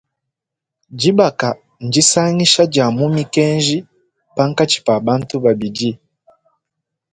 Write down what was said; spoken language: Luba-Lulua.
Dibaka ndisangisha dia mu mikenji pankatshi pa bantu babidi.